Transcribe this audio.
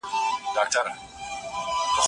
د رسول الله ارشادات په غور واورئ.